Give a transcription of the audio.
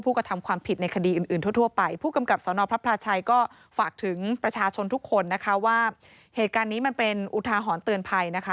อุทธาหรณ์เตือนภัยนะคะ